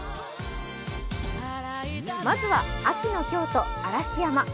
まずは秋の京都、嵐山。